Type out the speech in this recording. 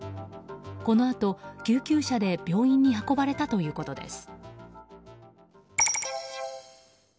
このあと救急車で病院に運ばれたということです。